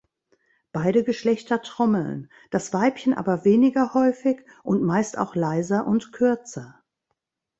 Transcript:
Beide Geschlechter trommeln, das Weibchen aber weniger häufig und meist auch leiser und kürzer.